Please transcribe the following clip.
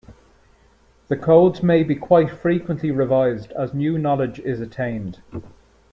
The codes may be quite frequently revised as new knowledge is attained.